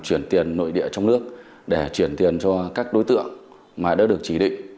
chuyển tiền nội địa trong nước để chuyển tiền cho các đối tượng mà đã được chỉ định